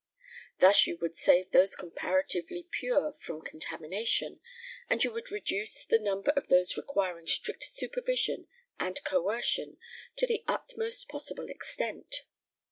Thus you would save those comparatively pure from contamination, and you would reduce the number of those requiring strict supervision and coercion to the utmost possible extent.